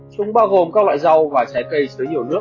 chúng bao gồm các loại rau và trái cây dưới nhiều nước